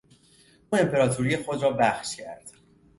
او امپراطوری خود را بخش کرد.